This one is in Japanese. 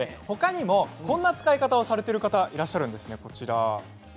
ほかにもこんな使い方をされている方もいらっしゃるんです。